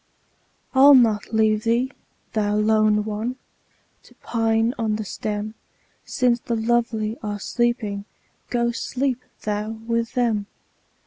I'll not leave thee, thou lone one ! To pine on the stem ; Since the lovely are sleeping, Go sleep thou with them.